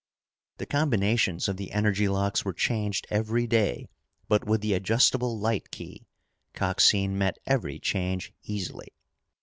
The combinations of the energy locks were changed every day, but with the adjustable light key, Coxine met every change easily.